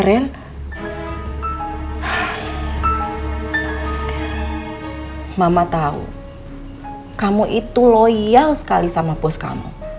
mama tahu kamu itu loyal sekali sama bos kamu